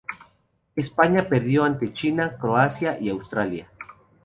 España perdió ante China, Croacia y Australia.